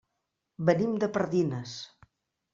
Venim de Pardines.